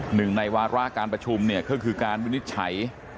หนึ่งในวาระการประชุมเนี่ยก็คือการวินิจฉัย